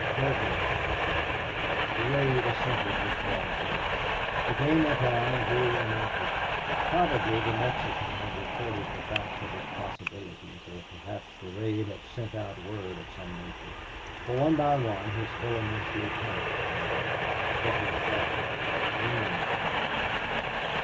"Certainly," replied Hough. Durade assented with bad grace. The game went on and grew in interest. Probably the Mexican had reported the fact of its possibilities, or perhaps Durade had sent out word of some nature. For one by one his villainous lieutenants came in, stepping softly, gleaming eyed.